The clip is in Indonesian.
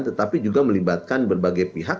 tetapi juga melibatkan berbagai pihak